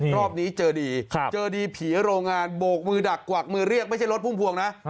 รอบนี้เจอดีเจอดีผีโรงงานโบกมือดักกวักมือเรียกไม่ใช่รถพุ่มพวงนะ